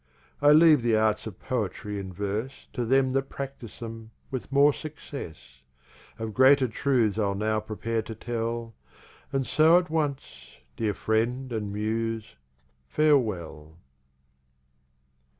I leave the Arts of Poetry and Verse To them that practise 'em with more success. Of greater Truths I'll now prepare to tell, And so at once, Dear Friend and Muse, Farewell.